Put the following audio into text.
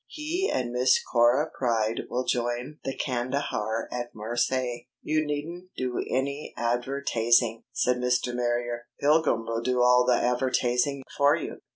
He and Miss Cora Pryde will join the Kandahar at Marseilles." "You needn't do any advertaysing," said Mr. Marrier. "Pilgrim will do all the advertaysing for you."